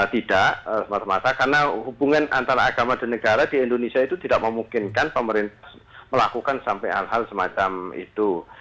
tidak semata mata karena hubungan antara agama dan negara di indonesia itu tidak memungkinkan pemerintah melakukan sampai hal hal semacam itu